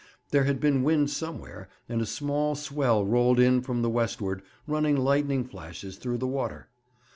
There had been wind somewhere, and a small swell rolled in from the westward, running lightning flashes through the water.